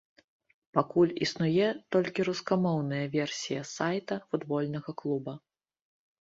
Пакуль існуе толькі рускамоўная версія сайта футбольнага клуба.